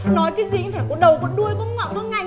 nói cái gì cũng phải có đầu có đuôi có ngọn con ngành